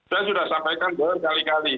saya sudah sampaikan berkali kali